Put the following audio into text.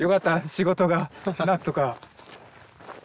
仕事がなんとか。